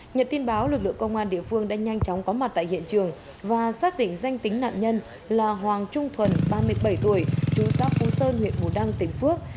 nhật tin báo lực lượng công an địa phương đã nhanh chóng có mặt tại hiện trường và xác định danh tính nạn nhân là hoàng trung thuần ba mươi bảy tuổi chú xã phú sơn huyện bù đăng tỉnh phước